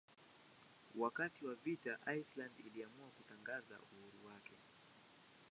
Wakati wa vita Iceland iliamua kutangaza uhuru wake.